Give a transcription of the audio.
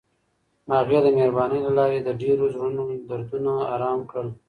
هغې د مهربانۍ له لارې د ډېرو زړونو دردونه ارام کړل.